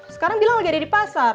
sekarang bilang lagi ada di pasar